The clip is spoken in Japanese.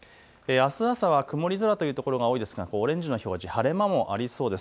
あすの朝は曇り空というところが多いですがオレンジの表示、晴れ間もありそうです。